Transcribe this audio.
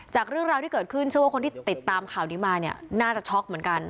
เรื่องราวที่เกิดขึ้นเชื่อว่าคนที่ติดตามข่าวนี้มาเนี่ยน่าจะช็อกเหมือนกัน